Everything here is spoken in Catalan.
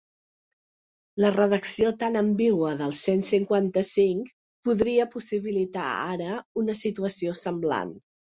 La redacció tan ambigua del cent cinquanta-cinc podria possibilitar ara una situació semblant.